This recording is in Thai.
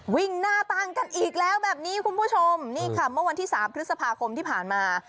วิ่งหน้าตั้งกันอีกแล้วแบบนี้คุณผู้ชมนี่ค่ะเมื่อวันที่สามพฤษภาคมที่ผ่านมา